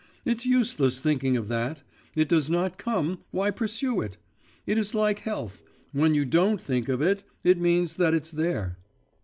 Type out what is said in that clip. It's useless thinking of that; it does not come why pursue it? It is like health; when you don't think of it, it means that it's there.